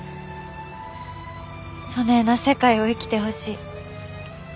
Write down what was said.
そねえな世界を生きてほしい。